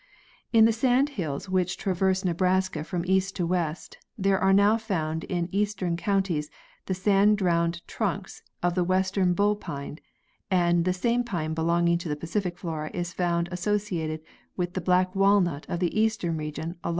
In the sand hills which traverse Nebraska from east to west there are now found in eastern counties the sand drowned trunks of the western bull pine, and the same pine belonging to the Pacific flora is found associated with the black walnut of the eastern region along the Niobrara river.